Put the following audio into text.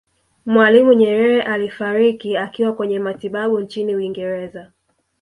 mwalimu nyerere alifariki akiwa kwenye matibabu nchini uingereza